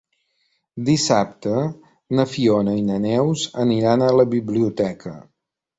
Dissabte na Fiona i na Neus aniran a la biblioteca.